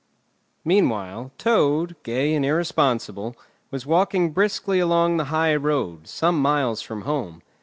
Meanwhile, Toad, gay and irresponsible, was walking briskly along the high road, some miles from home.